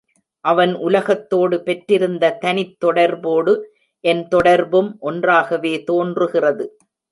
அவன் உலகத்தோடு பெற்றிருந்த தனித் தொடர்போடு என் தொடர்பும் ஒன்றாகவே தோன்றுகிறது.